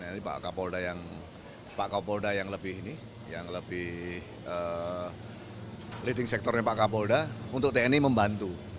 ini pak kapolda yang lebih leading sektornya pak kapolda untuk tni membantu